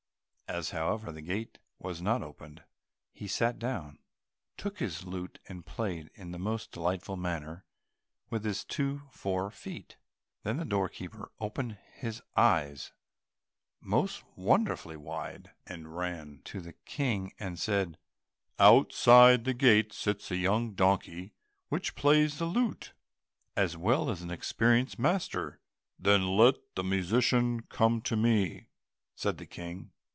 As, however, the gate was not opened, he sat down, took his lute and played it in the most delightful manner with his two fore feet. Then the door keeper opened his eyes most wonderfully wide, and ran to the King and said, "Outside by the gate sits a young donkey which plays the lute as well as an experienced master!" "Then let the musician come to me," said the King.